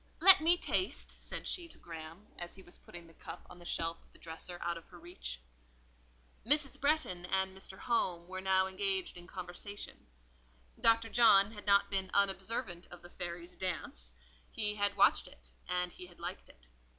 "Let me taste," said she to Graham, as he was putting the cup on the shelf of the dresser out of her reach. Mrs. Bretton and Mr. Home were now engaged in conversation. Dr. John had not been unobservant of the fairy's dance; he had watched it, and he had liked it.